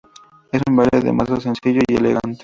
Es un baile de masas, sencillo y elegante.